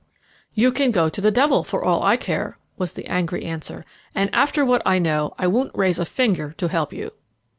"You can go to the devil for all I care," was the angry answer, "and, after what I know, I won't raise a finger to help you."